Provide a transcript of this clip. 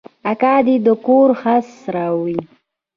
اکا دې د کور خرڅ راوړي.